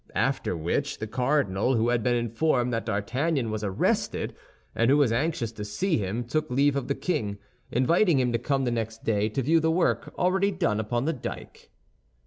After which, the cardinal, who had been informed that D'Artagnan was arrested and who was anxious to see him, took leave of the king, inviting him to come the next day to view the work already done upon the dyke.